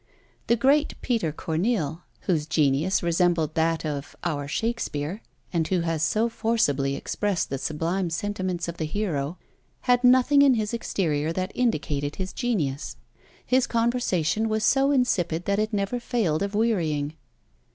The great Peter Corneille, whose genius resembled that of our Shakspeare, and who has so forcibly expressed the sublime sentiments of the hero, had nothing in his exterior that indicated his genius; his conversation was so insipid that it never failed of wearying.